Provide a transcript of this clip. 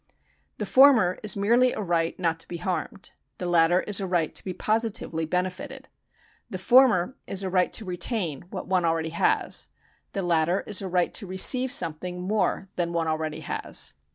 The former is merely a right not to be harmed ; the latter is a right to be positively benefited. The former is a right to retain what one already has ; the latter is a right to receive something more than one already has.